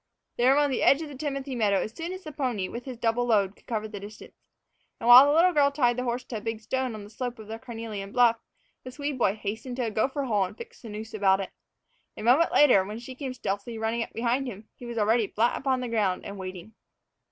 They were on the edge of the timothy meadow as soon as the pony, with his double load, could cover the distance. And while the little girl tied the horse to a big stone on the slope of the carnelian bluff, the Swede boy hastened to a gopher hole and fixed the noose about it. A moment later, when she came stealthily running up behind him, he was already flat upon the ground and waiting.